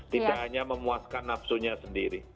tidak hanya memuaskan nafsunya sendiri